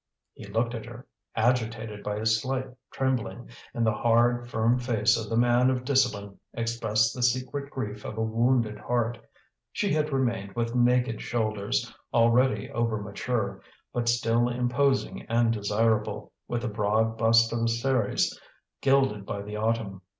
He looked at her, agitated by a slight trembling, and the hard firm face of the man of discipline expressed the secret grief of a wounded heart. She had remained with naked shoulders, already over mature, but still imposing and desirable, with the broad bust of a Ceres gilded by the autumn.